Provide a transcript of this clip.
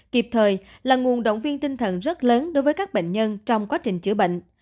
kịp thời là nguồn động viên tinh thần rất lớn đối với các bệnh nhân trong quá trình chữa bệnh